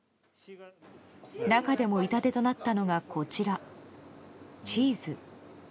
中でも痛手となったのがこちらチーズ。